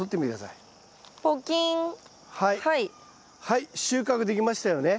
はい収穫できましたよね。